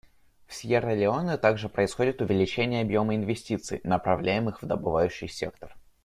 В Сьерра-Леоне также происходит увеличение объема инвестиций, направляемых в добывающий сектор.